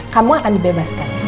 kamu akan dibebaskan